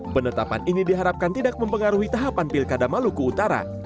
penetapan ini diharapkan tidak mempengaruhi tahapan pilkada maluku utara